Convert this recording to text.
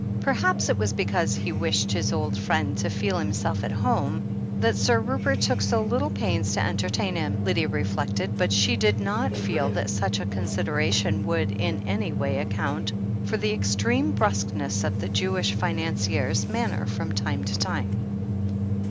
Perhaps it was because he wished his old friend to feel himself at home that Sir Rupert took so little pains to entertain him, Lydia reflected, but she did not feel that such a consideration would in any way ac count for the extreme brusqueness of the Jewish finan cier's manner from time to time.